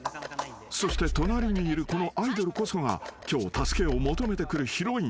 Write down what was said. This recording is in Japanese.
［そして隣にいるこのアイドルこそが今日助けを求めてくるヒロイン］